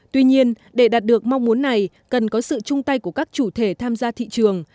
tuy nhiên để đạt được mong muốn này cần có sự chung tay của các chủ thể tham gia thị trường